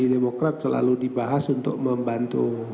demokrat selalu dibahas untuk membantu